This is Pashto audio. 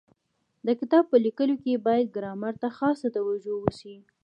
د کتاب په لیکلو کي باید ګرامر ته خاصه توجو وسي.